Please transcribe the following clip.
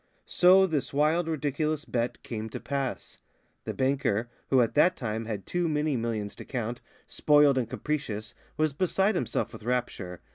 So this wild, ridiculous bet came to pass. The banker, who at that time had too many millions to count, spoiled and capricious, was beside himself with rapture.